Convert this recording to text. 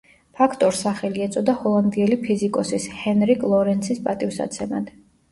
ფაქტორს სახელი ეწოდა ჰოლანდიელი ფიზიკოსის ჰენრიკ ლორენცის პატივსაცემად.